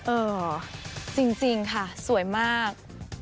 เออจริงค่ะสวยมาก